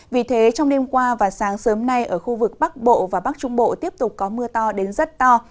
vì thế trong đêm qua và sáng sớm nay ở khu vực bắc bộ và bắc trung bộ tiếp tục có mưa to đến rất to